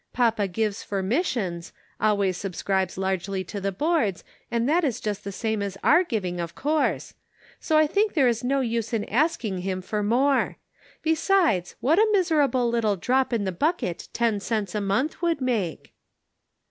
Papa gives for missions — always subscribes largely to the Boards, and that is just the same as our giving, of course; 240 The Pocket Measure. so I think there is no use in asking him for more. Besides, what a miserable little drop in the bucket ten cents a month would make